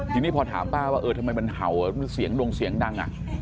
ทีนี้พอถามป้าทำไมมันเห่ามีหวงเสียงดัง